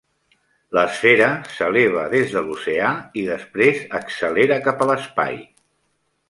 L'esfera s'eleva des de l'oceà i després accelera cap a l'espai.